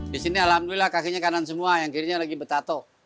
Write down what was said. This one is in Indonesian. di sini alhamdulillah kakinya kanan semua yang kirinya lagi betato